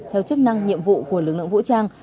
theo chức năng nhiệm vụ của lực lượng vũ trang